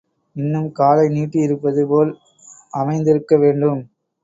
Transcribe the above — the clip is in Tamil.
இன்னும் காலை நீட்டியிருப்பது போல் அமைந்திருக்க வேண்டும்.